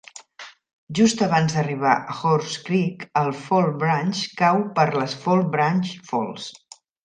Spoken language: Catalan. Just abans d'arribar a Horse Creek, el Fall Branch cau per les Fall Branch Falls.